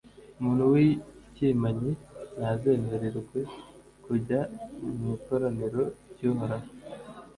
umuntu w’icyimanyi ntazemererwe kujya mu ikoraniro ry’uhoraho;